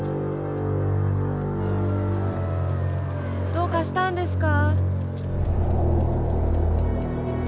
どうかしたんですか？